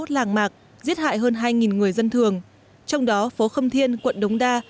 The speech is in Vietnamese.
làng mạc giết hại hơn hai người dân thường trong đó phố khâm thiên quận đống đa